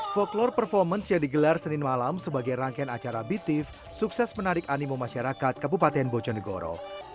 folklore performance yang digelar senin malam sebagai rangkaian acara btif sukses menarik animu masyarakat kabupaten bojonegoro